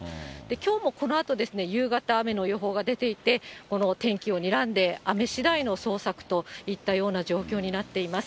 きょうもこのあと、夕方、雨の予報が出ていて、この天気をにらんで、雨しだいの捜索といったような状況になっています。